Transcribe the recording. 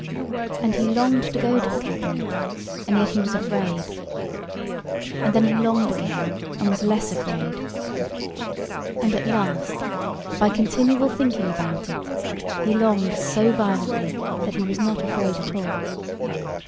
And he longed to go to the cabinet, and yet he was afraid; and then he longed again, and was less afraid; and at last, by continual thinking about it, he longed so violently that he was not afraid at all.